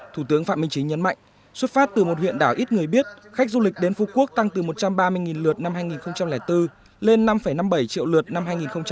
thủ tướng phạm minh chính nhấn mạnh xuất phát từ một huyện đảo ít người biết khách du lịch đến phú quốc tăng từ một trăm ba mươi lượt năm hai nghìn bốn lên năm năm mươi bảy triệu lượt năm hai nghìn một mươi ba